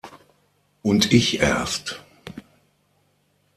Und ich erst!